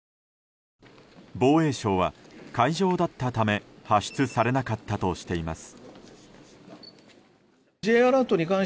防衛省は海上だったため発出されなかったとしています。